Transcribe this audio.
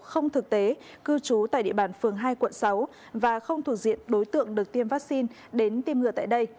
không thực tế cư trú tại địa bàn phường hai quận sáu và không thuộc diện đối tượng được tiêm vaccine đến tiêm ngừa tại đây